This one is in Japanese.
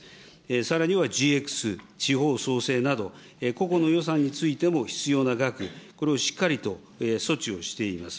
さらにはＧＸ、地方創生など、個々の予算についても必要な額、これをしっかりと措置をしています。